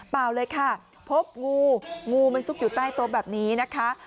เปล่าเลยค่ะพบงูงูมันซุกอยู่ใต้โต๊ะแบบนี้นะคะ